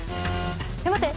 待って。